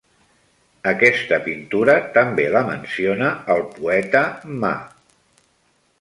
Aquesta pintura també la menciona el poeta Ma.